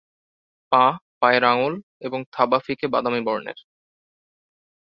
পা, পায়ের আঙ্গুল এবং থাবা ফিকে বাদামি বর্ণের।